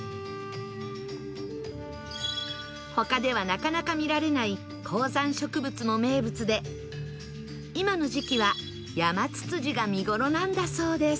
他ではなかなか見られない高山植物も名物で今の時期はヤマツツジが見頃なんだそうです